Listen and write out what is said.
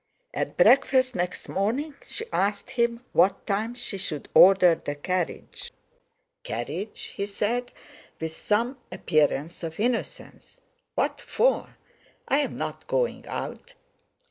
At breakfast next morning she asked him what time she should order the carriage. "Carriage!" he said, with some appearance of innocence; "what for? I'm not going out!"